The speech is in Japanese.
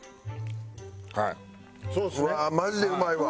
うわーマジでうまいわ！